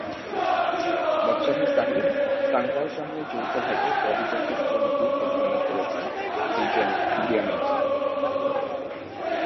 ব্যবসায়ী সাহিল সাঙ্ঘার সঙ্গে যৌথভাবে ববি জাসুস ছবিটি প্রযোজনা করেছেন দিয়া মির্জা।